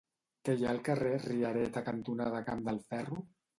Què hi ha al carrer Riereta cantonada Camp del Ferro?